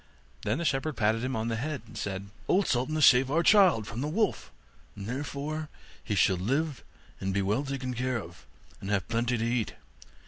Then the shepherd patted him on the head, and said, 'Old Sultan has saved our child from the wolf, and therefore he shall live and be well taken care of, and have plenty to eat.